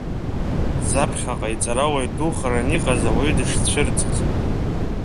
Заԥхьаҟа иҵарауаҩ духараны иҟаз ауаҩы дышцәырҵыз.